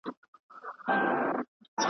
سرې منګولي به زینت وي، څېرول به عدالت وي .